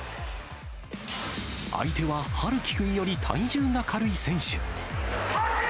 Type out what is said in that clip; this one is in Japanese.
相手は陽希君より体重が軽い選手。